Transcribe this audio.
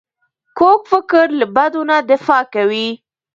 کوږ فکر له بدو نه دفاع کوي